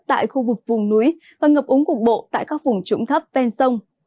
tại khu vực vùng núi và ngập úng cục bộ tại các vùng trũng thấp ven sông